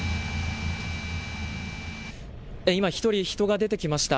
今、１人、人が出てきました。